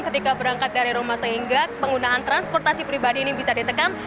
ketika berangkat dari rumah sehingga penggunaan transportasi pribadi ini bisa ditekan